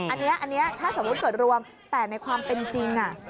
อันเนี้ยอันเนี้ยถ้าสมมติเกิดรวมแต่ในความเป็นจริงอ่ะ